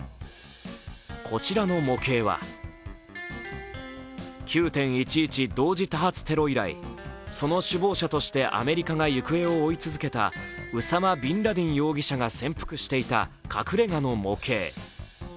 こちらの模型は９・１１同時多発テロ以来、その首謀者としてアメリカが行方を追い続けたウサマ・ビンラディン容疑者が潜伏していた隠れ家の模型。